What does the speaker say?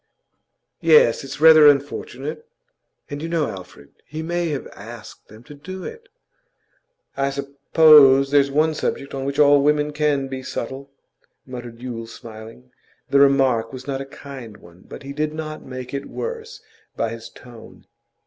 'Yes, it's rather unfortunate.' 'And you know, Alfred, he may have asked them to do it.' 'I suppose there's one subject on which all women can be subtle,' muttered Yule, smiling. The remark was not a kind one, but he did not make it worse by his tone.